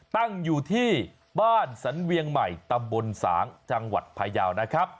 ตั้งอยู่ที่บ้านสันเวียงใหม่ตำบลสางจังหวัดพายาวนะครับ